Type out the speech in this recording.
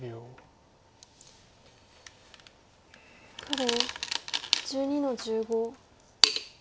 黒１２の十五。